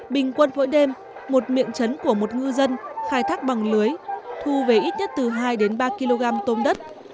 bình quân mỗi đêm một miệng trấn của một ngư dân khai thác bằng lưới thu về ít nhất từ hai đến ba kg tôm đất